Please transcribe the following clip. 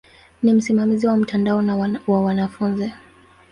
Ni msimamizi wa mtandao na wa wanafunzi.